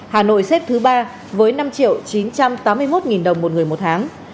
hà nội xếp thứ ba với năm chín trăm tám mươi một đồng một người một tháng